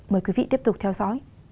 mời quý vị tiếp tục theo dõi